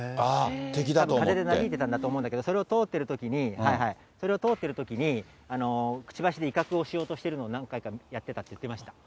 風でなびいてたんだと思ったんだけど、それを通ったときに、それを通ってるときに、くちばしで威嚇をしようとしているのを、何回かやってたって言ってました。